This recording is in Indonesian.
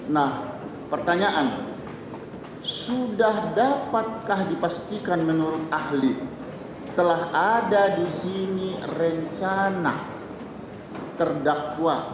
nah pertanyaan sudah dapatkah dipastikan menurut ahli telah ada di sini rencana terdakwa